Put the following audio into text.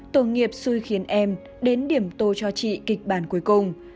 tổ nghiệp xui khiến em đến điểm tô cho chị kịch bản cuối cùng